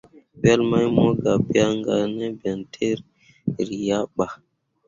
Wel mai mo tə ga byaŋ ka ne bentǝǝri ya ɓa.